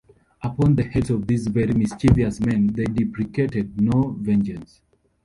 Upon the heads of these very mischievous men they deprecated no vengeance.